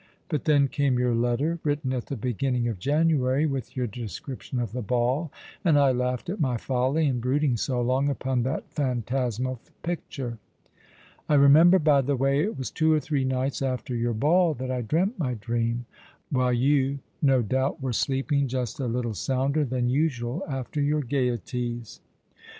But then came your letter — written at the beginning of January, with your descriiotion of the ball— and I laughed at my folly in brooding so long upon that phantasmal picture. I remember, by the way, it was two or three nights after your ball that I dreamt my dream, while you no doubt were sleeping just a little sounder than usual after your gaieties."